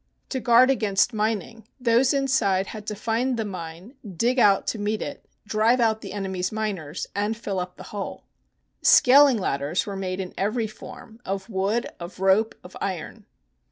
To guard against mining, those inside had to find the mine, dig out to meet it, drive out the enemy's miners, and fill up the hole. Scaling ladders were made in every form, of wood, of rope, of iron.